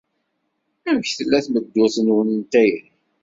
Amek tella tmeddurt-nwen n tayri?